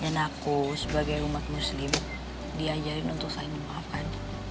dan aku sebagai umat muslim diajarin untuk saya memaafkan